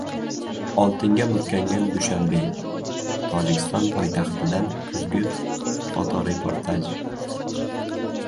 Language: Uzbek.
“Oltin”ga burkangan Dushanbe: Tojikiston poytaxtidan kuzgi fotoreportaj